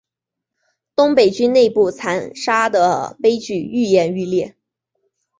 东北军内部残杀的悲剧愈演愈烈。